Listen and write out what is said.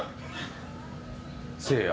せいや？